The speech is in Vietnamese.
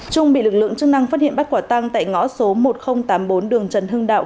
trung bị lực lượng chức năng phát hiện bắt quả tăng tại ngõ số một nghìn tám mươi bốn đường trần hưng đạo